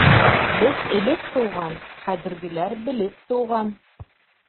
Беҙ элек тыуған, хәҙергеләр белеп тыуған.